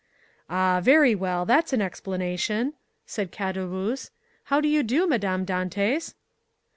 "Ah, very well, that's an explanation!" said Caderousse. "How do you do, Madame Dantès?"